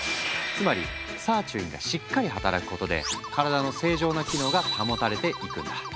つまりサーチュインがしっかり働くことで体の正常な機能が保たれていくんだ。